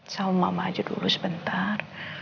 sama mama aja dulu sebentar